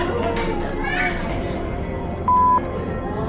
ข้ามที่สาม